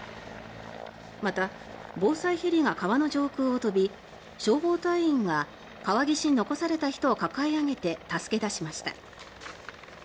また、防災ヘリが川の上空を飛び消防隊員が川岸に残された人を抱え上げて助け出しました。